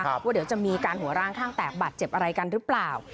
ว่าเดี๋ยวจะมีการหัวร้างข้างแตกบาดเจ็บอะไรกันหรือเปล่า